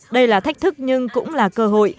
đây là thách thức nhưng cũng là cơ hội